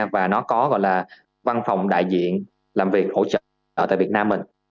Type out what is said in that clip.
và nó có gọi là văn phòng đại diện làm việc hỗ trợ tại việt nam mình